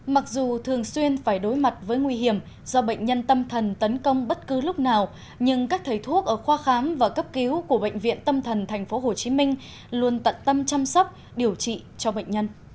mặc dù thường xuyên phải đối mặt với nguy hiểm do bệnh nhân tâm thần tấn công bất cứ lúc nào nhưng các thầy thuốc ở khoa khám và cấp cứu của bệnh viện tâm thần tp hcm luôn tận tâm chăm sóc điều trị cho bệnh nhân